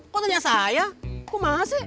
kok tanya saya kok mana sih